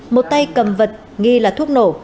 một tay cầm vật nghi là thuốc nổ